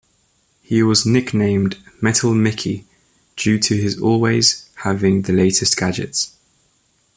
He was nicknamed "Metal Mickey" due to his always having the latest gadgets.